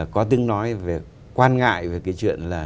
có tiếng nói về quan ngại về cái chuyện là